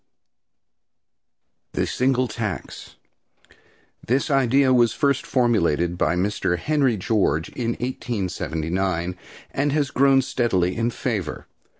THE SINGLE TAX. This idea was first formulated by Mr. Henry George in 1879, and has grown steadily in favor.